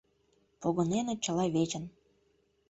Погыненыт чыла вечын